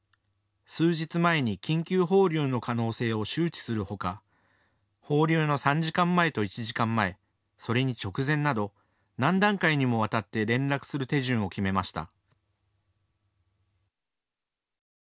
数日前に緊急放流の可能性を周知するほか放流の３時間前と１時間前、それに直前など何段階にもわたって連絡する手順を決めました。